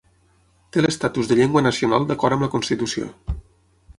Té l'estatus de llengua nacional d'acord amb la constitució.